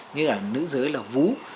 như là nữ giới là vú